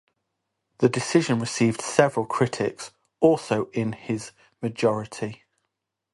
This decision received several critics also in his majority.